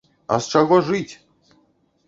А з чаго жыць!